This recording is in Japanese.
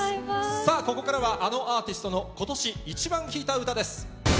さあ、ここからはあのアーティストの今年イチバン聴いた歌です。